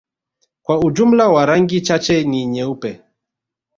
kwa jumla ya rangi chache ni nyeupe